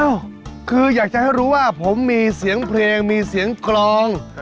คืออยากจะให้รู้ว่าผมมีเสียงเพลงมีเสียงกรอง